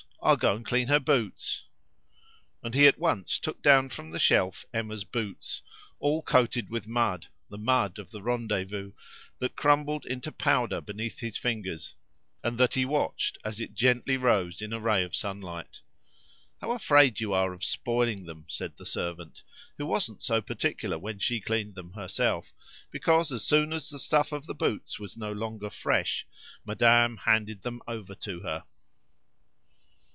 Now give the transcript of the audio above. I'll go and clean her boots." And he at once took down from the shelf Emma's boots, all coated with mud, the mud of the rendezvous, that crumbled into powder beneath his fingers, and that he watched as it gently rose in a ray of sunlight. "How afraid you are of spoiling them!" said the servant, who wasn't so particular when she cleaned them herself, because as soon as the stuff of the boots was no longer fresh madame handed them over to her.